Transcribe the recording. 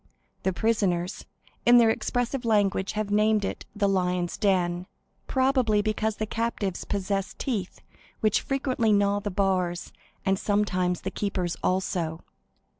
The prisoners, in their expressive language, have named it the "Lions' Den," probably because the captives possess teeth which frequently gnaw the bars, and sometimes the keepers also.